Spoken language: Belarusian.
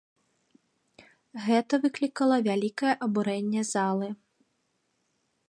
Гэта выклікала вялікае абурэнне залы.